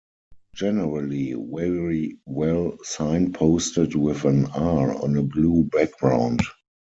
Generally very well signposted with an 'R' on a blue background.